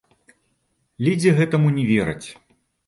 Лідзе гэтаму не вераць.